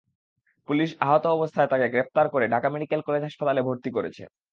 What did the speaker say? Police আহত অবস্থায় তাঁকে গ্রেপ্তার করে ঢাকা মেডিকেল কলেজ হাসপাতালে ভর্তি করেছে।